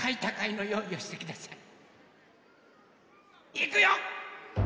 いくよ！